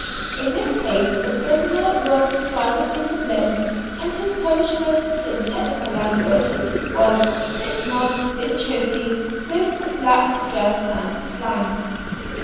In this case the prisoner was decidedly to blame, and his punishment, in technical language, was "six months in chokey with the black dress and slangs."